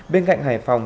bên cạnh hải phòng